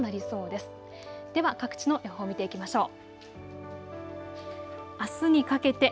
では各地の予報を見ていきましょう。